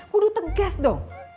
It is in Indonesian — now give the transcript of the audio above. kudu tegas dong